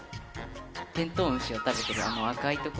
テントウムシを食べてるあの赤いところ。